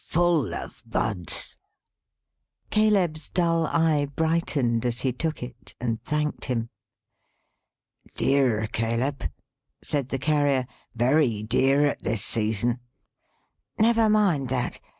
Full of Buds!" Caleb's dull eye brightened, as he took it, and thanked him. "Dear, Caleb," said the Carrier. "Very dear at this season." "Never mind that.